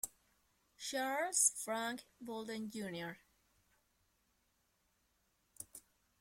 Charles Frank Bolden, Jr.